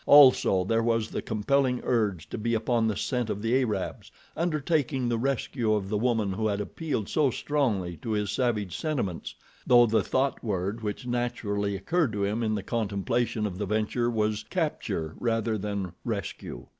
Also, there was the compelling urge to be upon the scent of the Arabs, undertaking the rescue of the woman who had appealed so strongly to his savage sentiments; though the thought word which naturally occurred to him in the contemplation of the venture, was "capture," rather than "rescue."